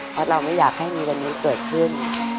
เพราะเราไม่อยากให้มีวันนี้เกิดขึ้น